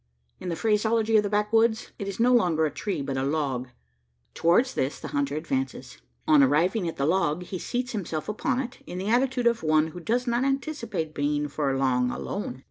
In the phraseology of the backwoods, it is no longer a tree, but a "log." Towards this the hunter advances. On arriving at the log he seats himself upon it, in the attitude of one who does not anticipate being for long alone.